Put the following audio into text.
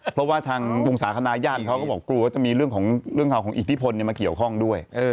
เพราะว่าทางวงศาคณะญาติเขาก็บอกกลัวว่าจะมีเรื่องราวของอิทธิพลมาเกี่ยวข้องด้วย